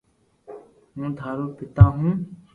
ھون ٿارو پيتا ھون